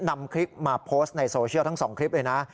นำคลิปมาโพสต์ในโซเชียลทั้ง๒คลิปเลยนะ